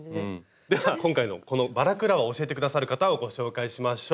では今回のこのバラクラバを教えて下さる方をご紹介しましょう。